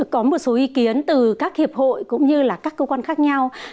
có một số ý kiến từ các hiệp hội cũng như là các cơ quan khác nhau